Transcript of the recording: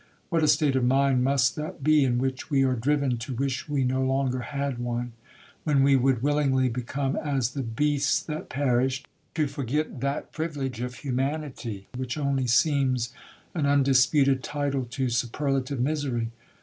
What a state of mind must that be, in which we are driven to wish we no longer had one!—when we would willingly become 'as the beasts that perish,' to forget that privilege of humanity, which only seems an undisputed title to superlative misery!